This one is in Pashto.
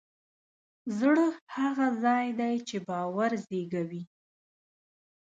زړه هغه ځای دی چې باور زېږوي.